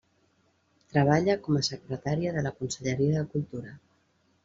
Treballa com a secretària de la Conselleria de Cultura.